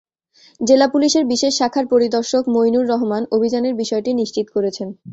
জেলা পুলিশের বিশেষ শাখার পরিদর্শক মইনুর রহমান অভিযানের বিষয়টি নিশ্চিত করেছেন।